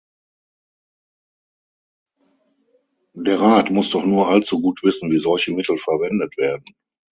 Der Rat muss doch nur allzu gut wissen, wie solche Mittel verwendet werden.